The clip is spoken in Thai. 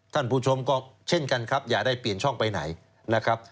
ท่านผู้ชมก็เช่นกันครับอย่าได้เปลี่ยนช่องไปไหนนะครับ